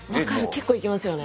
結構いきますよね。